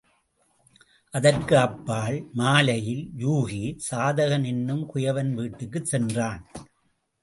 அதற்கு அப்பால் மாலையில் யூகி, சாதகன் என்னும் குயவன் வீட்டிற்குச் சென்றான்.